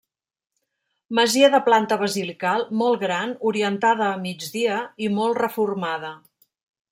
Masia de planta basilical, molt gran, orientada a migdia, i molt reformada.